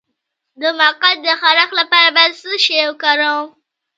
د مقعد د خارښ لپاره باید څه شی وکاروم؟